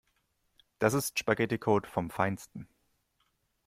Das ist Spaghetticode vom Feinsten.